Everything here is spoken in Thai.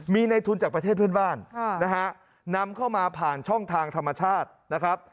มีในทุนจากประเทศเพื่อนบ้านนะฮะนำเข้ามาผ่านช่องทางธรรมชาตินะครับ